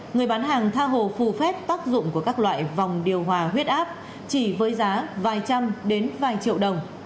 người bán hàng tha hồ phù phép tác dụng của các loại vòng điều hòa huyết áp chỉ với giá vài trăm đến vài triệu đồng